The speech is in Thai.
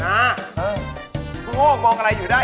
นายโห้มองอะไรอยู่ได้